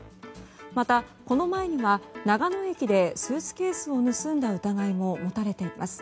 また、この前には長野駅でスーツケースを盗んだ疑いも持たれています。